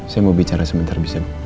saya mau bicara sebentar bisa